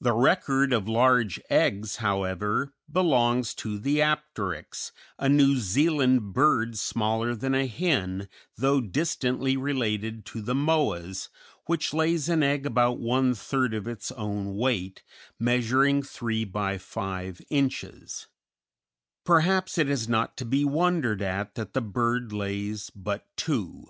The record of large eggs, however, belongs to the Apteryx, a New Zealand bird smaller than a hen, though distantly related to the Moas, which lays an egg about one third of its own weight, measuring 3 by 5 inches; perhaps it is not to be wondered at that the bird lays but two.